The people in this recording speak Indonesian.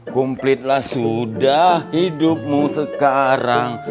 kumplitlah sudah hidupmu sekarang